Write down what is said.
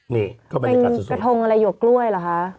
นี่ก็บรรยากาศสุดเป็นกระทงอะไรหยวกกล้วยเหรอคะ